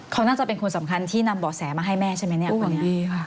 เขาน่าจะเป็นคนสำคัญที่นำบ่อแสมาให้แม่ใช่ไหมเนี่ย